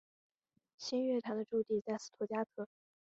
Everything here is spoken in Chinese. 新乐团的驻地在斯图加特。